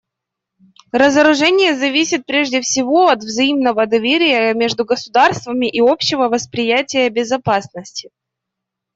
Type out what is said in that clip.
Разоружение зависит прежде всего от взаимного доверия между государствами и общего восприятия безопасности.